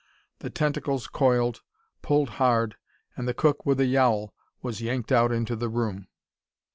The tentacles coiled, pulled hard and the cook with a yowl was yanked out into the room.